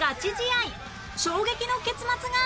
衝撃の結末が